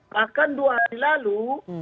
bahkan dua hari lalu